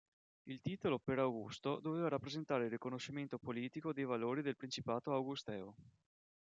Il titolo per Augusto doveva rappresentare il riconoscimento politico dei valori del principato augusteo.